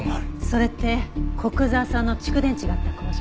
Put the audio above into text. それって古久沢さんの蓄電池があった工場。